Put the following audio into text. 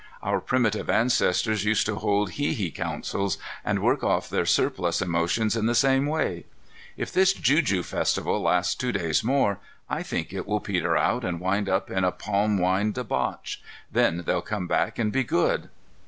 Our primitive ancestors used to hold hee hee councils and work off their surplus emotions in the same way. If this juju festival lasts two days more, I think it will peter out and wind up in a palm wine debauch. Then they'll come back and be good!"